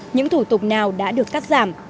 những thủ tục nào đã được cắt giảm